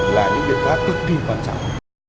là những biện pháp cực kỳ quan trọng